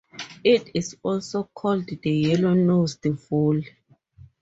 It is also called the yellow-nosed vole.